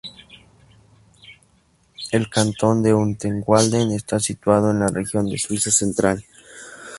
El cantón de Unterwalden está situado en la región de Suiza Central.